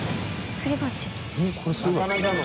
すり鉢の。